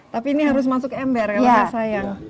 tapi ini harus masuk ember ya sayang